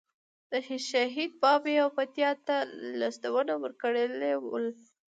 د شهید بابی او پتیال ته لیستونه ورکړي ول.